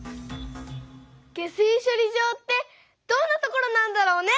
下水しょり場ってどんなところなんだろうね？